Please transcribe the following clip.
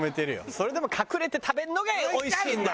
それでも隠れて食べるのがおいしいんだよ